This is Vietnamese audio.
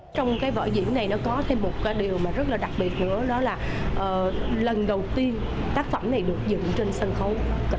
trong cái vở diễn này nó có thêm một điều mà rất là đặc biệt nữa đó là lần đầu tiên tác phẩm này được dựng trên sân khấu